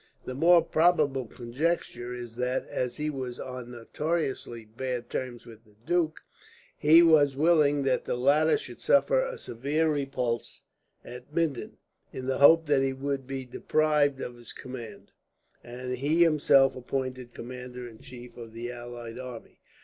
The more probable conjecture is that, as he was on notoriously bad terms with the duke, he was willing that the latter should suffer a severe repulse at Minden, in the hope that he would be deprived of his command, and he himself appointed commander in chief of the allied army.